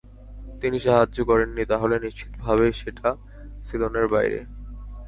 তিনি সাহায্য করেননি, তাহলে নিশ্চিতভাবেই সেটা সিলনের বাইরে।